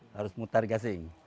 harus mutar gasing